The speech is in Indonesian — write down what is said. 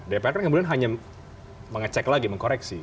dpr kan kemudian hanya mengecek lagi mengkoreksi